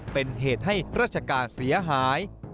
เป็นเหตุให้ราชการเสียหาย